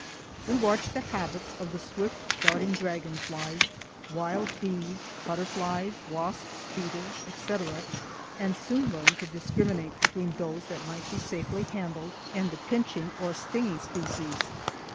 We watched the habits of the swift darting dragonflies, wild bees, butterflies, wasps, beetles, etc., and soon learned to discriminate between those that might be safely handled and the pinching or stinging species.